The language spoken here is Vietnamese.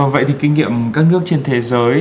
vậy thì kinh nghiệm các nước trên thế giới